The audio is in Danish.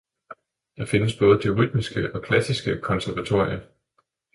Der findes både det rytmiske og klassiske konservatorie.